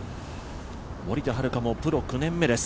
森田遥もプロ９年目です。